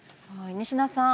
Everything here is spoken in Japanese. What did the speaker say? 仁科さん